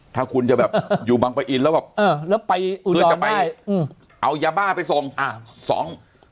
ถ้าคุณจะแบบอยู่บางประอิณแล้วเอายาบาร์ไปส่อง